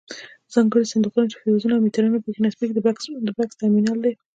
ځانګړي صندوقونه چې فیوزونه او میټرونه پکې نصبیږي د بکس ټرمینل دی.